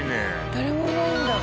誰もいないんだ。